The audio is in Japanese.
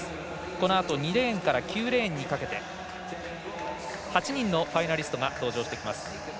このあと２レーンから９レーンにかけて８人のファイナリストが登場してきます。